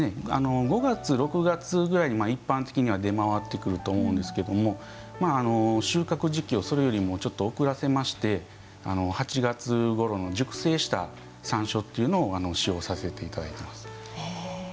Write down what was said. ５月、６月ぐらいに一般的には出回ってくると思うんですけれども収穫時期をそれよりも遅らせまして８月ごろの熟成した山椒というのを使用させていただいています。